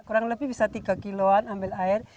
kurang lebih bisa tiga kilo an ambil air